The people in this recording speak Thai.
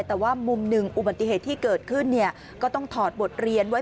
แต่ว่ามุมหนึ่งอุบัติเหตุที่เกิดขึ้นเนี่ยก็ต้องถอดบทเรียนไว้